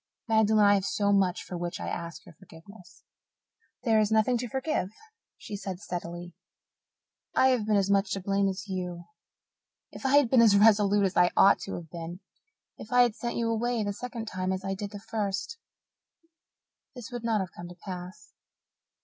Magdalen, I have much for which to ask your forgiveness." "There is nothing to forgive," she said steadily. "I have been as much to blame as you. If I had been as resolute as I ought to have been if I had sent you away the second time as I did the first this would not have come to pass.